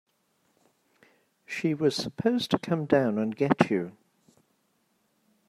She was supposed to come down and get you.